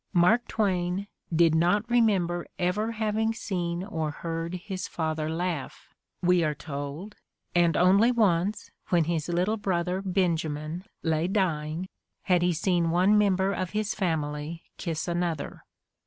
Mark Twain "did not remember ever having seen or heard his father laugh," we are told, and only once, when his little brother Benjamin lay dying, had he seen one member of his family kiss another.